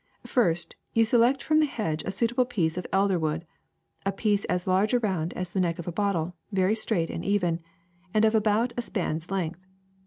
^' First you select from the hedge a suitable piece of elder wood — a piece as large around as the neck of a bottle, very straight and even, and of about a spanks length.